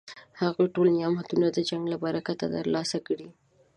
هغوی ټول نعمتونه د جنګ له برکته ترلاسه کړي.